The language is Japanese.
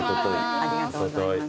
ありがとうございます。